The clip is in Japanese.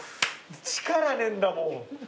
力ねえんだもん。